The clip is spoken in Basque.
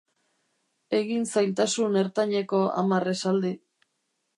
Egin zailtasun ertaineko hamar esaldi.